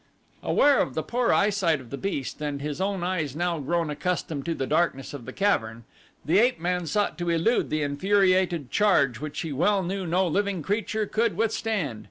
Aware of the poor eyesight of the beast, and his own eyes now grown accustomed to the darkness of the cavern, the ape man sought to elude the infuriated charge which he well knew no living creature could withstand.